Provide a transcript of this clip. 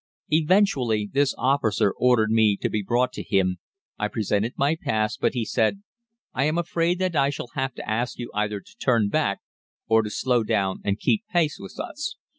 "Eventually this officer ordered me to be brought to him, I presented my pass; but he said, 'I am afraid that I shall have to ask you either to turn back or to slow down and keep pace with us.